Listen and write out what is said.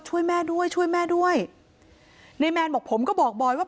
ช่วยแม่ด้วยช่วยแม่ด้วยนายแมนบอกผมก็บอกบอยว่า